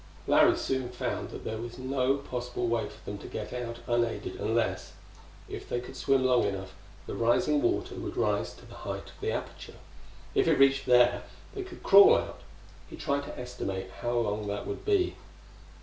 Larry soon found that there was no possible way for them to get out unaided, unless, if they could swim long enough, the rising water would rise to the height of the aperture. If it reached there, they could crawl out. He tried to estimate how long that would be.